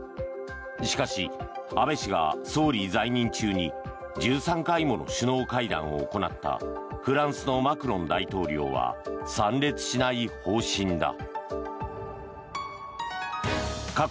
しかし、安倍氏が総理在任中に１３回もの首脳会談を行ったフランスのマクロン大統領は参列しない方針だ。